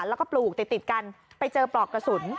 แล้วก็ปลูกติดกันไปเจอปลอกกระสุน